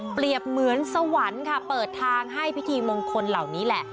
เหมือนสวรรค์ค่ะเปิดทางให้พิธีมงคลเหล่านี้แหละ